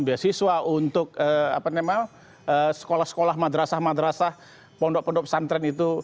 beasiswa untuk sekolah sekolah madrasah madrasah pondok pondok pesantren itu